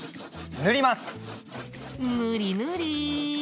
ぬりぬり！